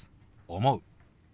「思う」。